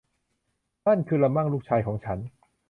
นั่นคือละมั่งลูกชายของฉัน